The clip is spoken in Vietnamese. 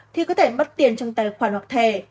thì có thể mất tiền trong tài khoản hoặc thẻ